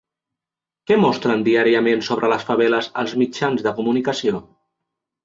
Què mostren diàriament sobre les faveles els mitjans de comunicació?